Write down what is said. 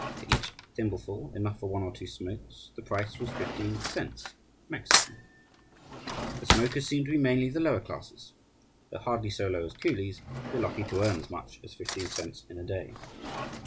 For each thimbleful, enough for one or two smokes, the price was fifteen cents (Mexican). The smokers seemed to be mainly of the lower classes; though hardly so low as coolies, who are lucky to earn as much as fifteen cents in a day.